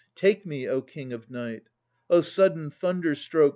Take me, O King of Night! O sudden thunderstroke.